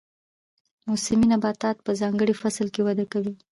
موسمي نباتات په ځانګړي فصل کې وده کوي